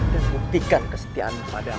dan buktikan kesetiaan padamu